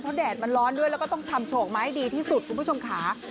แดดมันร้อนด้วยแล้วก็ต้องทำโฉกมาให้ดีที่สุดคุณผู้ชมค่ะ